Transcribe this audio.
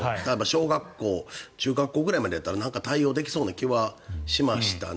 小学校、中学校くらいまでなら対応できそうな気がしましたね。